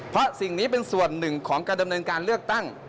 เพราะสิ่งนี้เป็นส่วนหนึ่งของการดำเนินการเลือกตั้ง